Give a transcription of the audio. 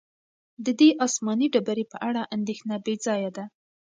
د دې آسماني ډبرې په اړه اندېښنه بې ځایه ده.